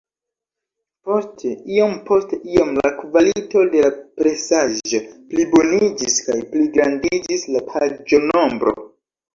Poste, iom-post-iom la kvalito de la presaĵo pliboniĝis, kaj pligrandiĝis la paĝo-nombro.